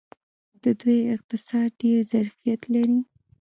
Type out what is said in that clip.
د دوی اقتصاد ډیر ظرفیت لري.